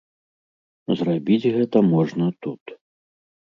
Зрабіць гэта можна тут.